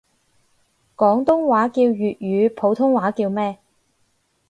廣東話叫粵語，普通話叫咩？